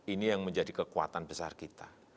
ini yang menjadi kekuatan besar kita